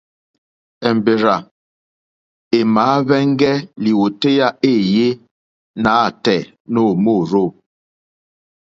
Èmbèrzà èmàáhwɛ́ŋgɛ́ lìwòtéyá éèyé nǎtɛ̀ɛ̀ nǒ mòrzô.